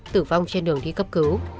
tử vong trên đường đi cấp cứu